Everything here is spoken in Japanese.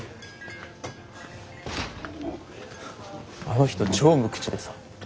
あの人超無口でさ。